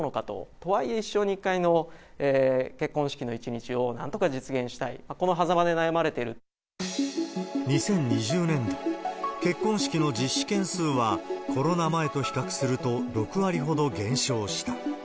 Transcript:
とはいえ、一生に一回の結婚式の一日をなんとか実現したい、このはざまで悩２０２０年度、結婚式の実施件数は、コロナ前と比較すると６割ほど減少した。